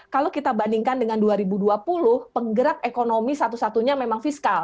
kalau kita bandingkan dengan dua ribu dua puluh penggerak ekonomi satu satunya memang fiskal